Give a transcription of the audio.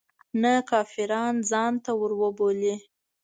نه کافران ځانته وربولي.